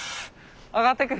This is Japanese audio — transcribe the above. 上がってく。